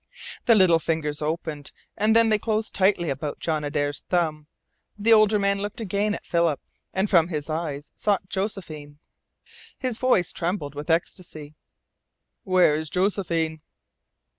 The little fingers opened, and then they closed tightly about John Adare's thumb. The older man looked again at Philip, and from him his eyes sought Josephine. His voice trembled with ecstasy. "Where is Josephine?"